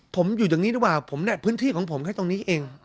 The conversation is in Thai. ผมอยู่อย่างนี้ดีกว่าผมแหละพื้นที่ของผมแค่ตรงนี้เอง